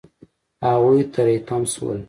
هغوی تری تم شول.